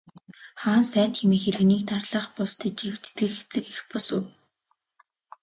Хаан сайд хэмээх нь иргэнийг дарлах бус, тэжээж тэтгэх эцэг эх бус уу.